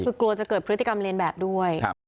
คือกลัวจะเกิดพฤติกรรมเรียนแบบด้วย